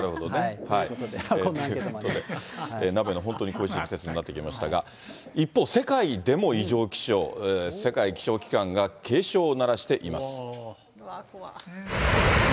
鍋の本当に恋しい季節になってきましたが、一方、世界でも異常気象、世界気象機関が警鐘を鳴らしています。